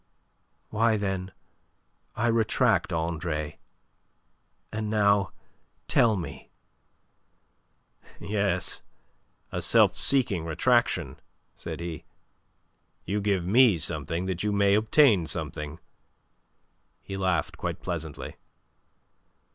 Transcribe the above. "Why, then, I retract, Andre. And now tell me." "Yes, a self seeking retraction," said he. "You give me something that you may obtain something." He laughed quite pleasantly.